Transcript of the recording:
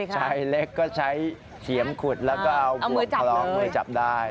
ใช้เล็กก็ใช้เหยียมขุดแล้วก็เอามือจับได้